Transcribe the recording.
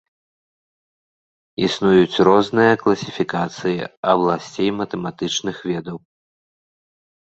Існуюць розныя класіфікацыі абласцей матэматычных ведаў.